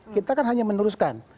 kita kan hanya meneruskan